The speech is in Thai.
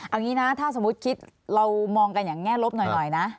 เอางี้นะถ้าสมมุติคิดเรามองกันอย่างแง่ลบหน่อยนะ